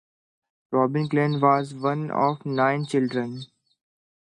Robin Klein was one of nine children.